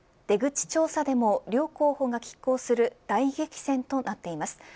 出口調査でも両候補が拮抗する大激戦となっています。